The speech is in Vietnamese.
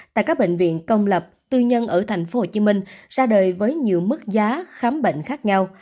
tại các bệnh viện công lập tư nhân ở tp hcm ra đời với nhiều mức giá khám bệnh khác nhau